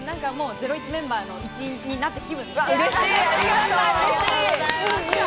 ゼロイチメンバーの一員になった気分です。